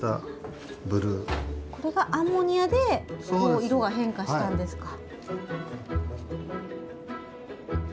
これがアンモニアで色が変化したんですか。